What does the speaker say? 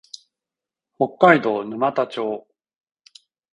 北海道沼田町